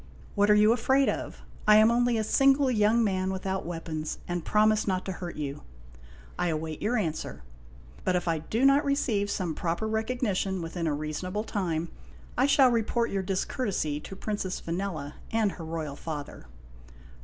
What are you afraid of ? I am only THE WINNING OF VANELLA 121 a single young man . without weapons, and promise not to hurt you. I await your answer. But if I do not receive some proper recognition within a reasonable time, I shall report your discourtesy to Princess Vanella and her royal father.